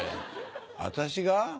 私が？